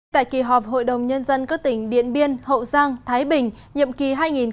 tại kỳ họp hội đồng nhân dân các tỉnh điện biên hậu giang thái bình nhiệm kỳ hai nghìn một mươi sáu hai nghìn hai mươi một